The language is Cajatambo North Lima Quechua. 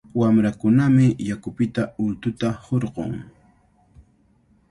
Wamrakunami yakupita ultuta hurqun.